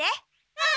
うん！